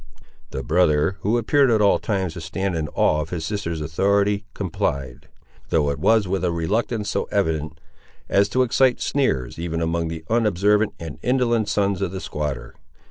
The brother, who appeared at all times to stand in awe of his sister's authority, complied; though it was with a reluctance so evident, as to excite sneers, even among the unobservant and indolent sons of the squatter.